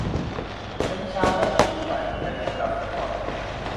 ในไม่ช้าพวกคุณหลายคนจะเดินไปตามถนนบรอดเวย์